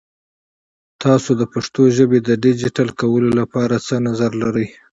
تاسو د پښتو ژبې د ډیجیټل کولو لپاره څه نظر لرئ؟